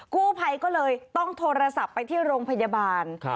กู้ภัยก็เลยต้องโทรศัพท์ไปที่โรงพยาบาล